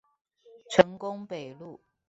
成功北路